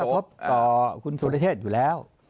มันก็กระทบต่อกรุกนตรีเหตุอยู่แล้ว